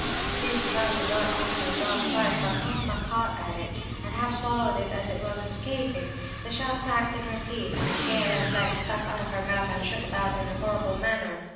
It seemed to try to dart out of her jaws twice, but Norma caught at it and half swallowed it as it was escaping. The shell cracked in her teeth; and the tail and legs stuck out of her mouth and shook about in a horrible manner.